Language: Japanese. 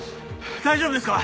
大丈夫ですか？